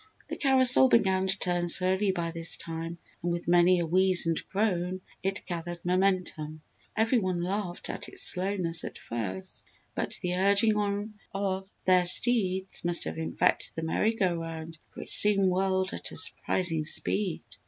The carousel began to turn slowly by this time and with many a wheeze and groan, it gathered momentum. Every one laughed at its slowness at first but the urging on of their steeds must have infected the merry go round for it soon whirled at a surprising speed.